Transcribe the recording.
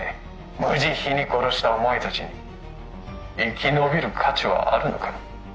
無慈悲に殺したお前達に生き延びる価値はあるのかな？